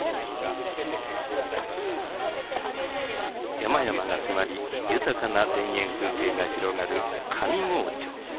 山々が迫り豊かな田園風景が広がる上郷町。